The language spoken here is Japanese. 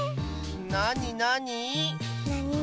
なになに？